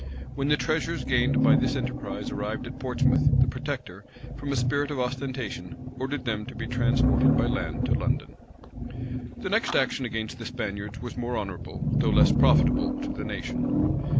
[*] When the treasures gained by this enterprise arrived at Portsmouth, the protector, from a spirit of ostentation, ordered them to be transported by land to London. * Thurloe, vol. v. p. 433. The next action against the Spaniards was more honorable, though less profitable, to the nation.